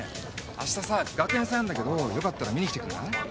あしたさ学園祭あんだけどよかったら見に来てくんない？